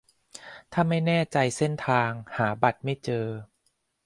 ถ้าไม่แน่ใจเส้นทาง หาบัตรไม่เจอ